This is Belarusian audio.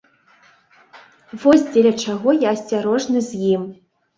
Вось дзеля чаго я асцярожны з ім.